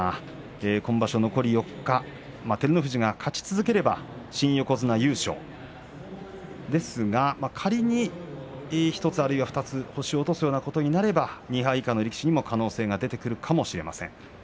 今場所残り４日照ノ富士が勝ち続ければ新横綱優勝ですが、仮に１つあるいは２つ星を落とすようなことがあれば２敗以下の力士にも可能性が出てくるかもしれません。